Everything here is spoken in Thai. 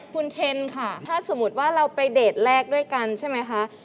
คุณเคนค่ะถ้าสมมุติว่าเราไปเดทแรกด้วยกันใช่ไหมคะ